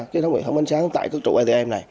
kết thúc hệ thống ánh sáng tại các trụ atm này